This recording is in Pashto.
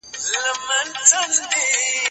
شپږ ځلې یې چک کړئ.